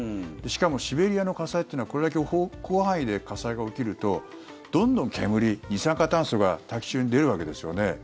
しかも、シベリアの火災ってのはこれだけ広範囲で火災が起きるとどんどん煙、二酸化炭素が大気中に出るわけですよね。